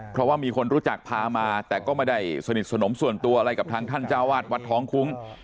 เพราะว่ามีคนรู้จักพามาแต่ก็ไม่ได้สนิทสนมส่วนตัวอะไรกับทางท่านเจ้าวาดวัดท้องคุ้ง